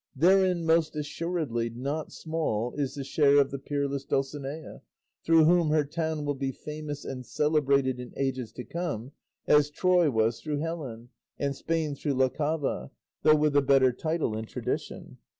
Therein, most assuredly, not small is the share of the peerless Dulcinea, through whom her town will be famous and celebrated in ages to come, as Troy was through Helen, and Spain through La Cava, though with a better title and tradition.